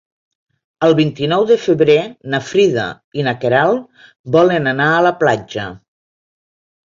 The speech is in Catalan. El vint-i-nou de febrer na Frida i na Queralt volen anar a la platja.